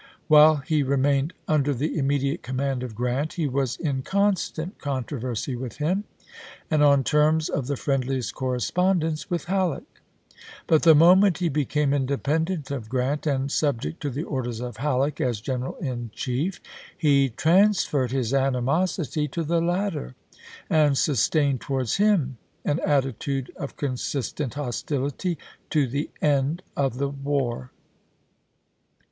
While he remained under the immediate command of Grant he was in constant controversy with him and on teiTQs of the friendliest correspondence with Halleck; but the moment he became independent of Grant and sub ject to the orders of Halleck as general in chief, he transferred his animosity to the latter and sustained towards him an attitude of consistent hostility to the end of the war.